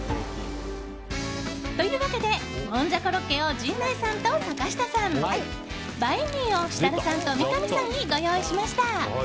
というわけでもんじゃころっけを陣内さんと坂下さんバインミーを設楽さんと三上さんにご用意しました。